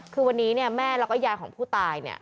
คือวันนี้แม่และยายของผู้ตาย